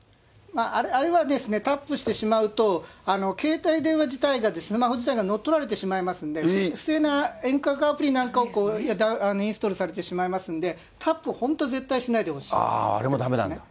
あれは、タップしてしまうと、携帯電話自体が乗っ取られてしまいますので、不正な遠隔アプリなんかをインストールされてしまいますので、あれもだめなんだ。